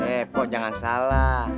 eh kok jangan salah